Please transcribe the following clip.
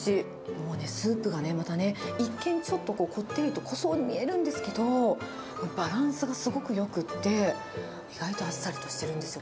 もうね、スープがまたね、一見ちょっと、こってりと濃そうに見えるんですけど、バランスがすごくよくって、意外とあっさりとしてるんですよ。